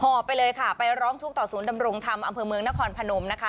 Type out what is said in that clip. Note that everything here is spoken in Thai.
ไปเลยค่ะไปร้องทุกข์ต่อศูนย์ดำรงธรรมอำเภอเมืองนครพนมนะคะ